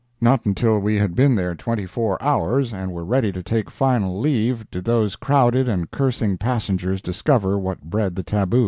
Not until we had been there twenty four hours, and were ready to take final leave, did those crowded and cursing passengers discover what bred the tabu.